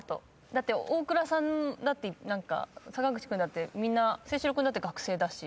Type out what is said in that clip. だって大倉さんだって坂口君だってみんな清史郎君だって学生だし。